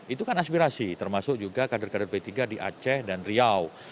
itu kan aspirasi termasuk juga kader kader p tiga di aceh dan riau